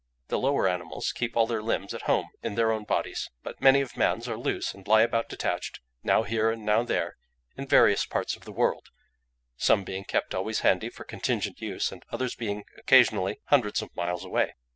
The lower animals keep all their limbs at home in their own bodies, but many of man's are loose, and lie about detached, now here and now there, in various parts of the world—some being kept always handy for contingent use, and others being occasionally hundreds of miles away.